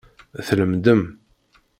Tlemdem.